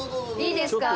いいですか？